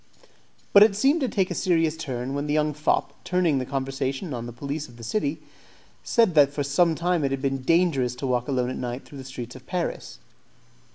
But it seemed to take a serious turn when the young fop, turning the conversation on the police of the city, said that for some time it had been dangerous to walk alone at night through the streets of Paris.